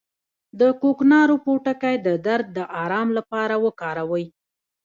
د کوکنارو پوټکی د درد د ارام لپاره وکاروئ